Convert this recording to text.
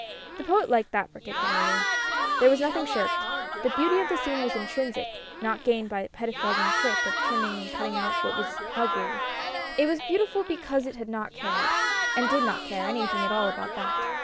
The Poet liked that particularly. There was nothing shirked. The beauty of the MINIATURES 251 scene was intrinsic, not gained by a pettifogging trick of trimming and cutting out what was ugly. It was beautiful because it had not cared, and did not care, anything at all about that.